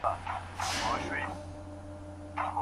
آیا د افغانستان پسته طبیعي خوند لري؟.